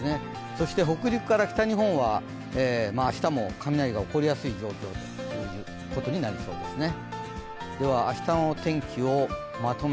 そして北陸から西日本は明日も雷が起こりやすい状況ということになりそうですね。